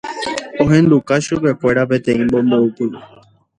ohenduka chupekuéra peteĩ mombe'upy